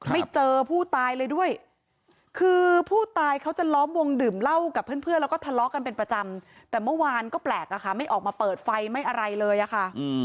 ไม่เจอผู้ตายเลยด้วยคือผู้ตายเขาจะล้อมวงดื่มเหล้ากับเพื่อนแล้วก็ทะเลาะกันเป็นประจำแต่เมื่อวานก็แปลกอะค่ะไม่ออกมาเปิดไฟไม่อะไรเลยอะค่ะ